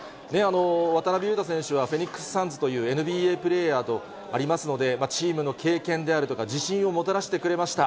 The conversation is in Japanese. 渡邊雄太選手はフェニックスサンズというＮＢＡプレーヤーでありますので、チームの経験であるとか、自信をもたらしてくれました。